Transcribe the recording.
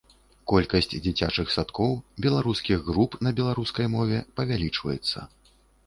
Колькасць дзіцячых садкоў, беларускіх груп на беларускай мове павялічваецца.